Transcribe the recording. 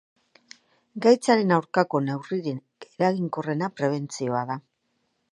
Gaitzaren aurkako neurririk eraginkorrena prebentzioa da.